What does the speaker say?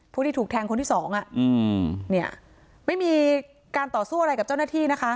ผู้ที่ถูกแทงคนที่สองอ่ะอืมเนี่ยไม่มีการต่อสู้อะไรกับเจ้าหน้าที่นะคะ